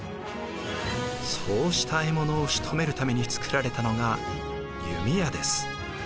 そうした獲物をしとめるために作られたのが弓矢です。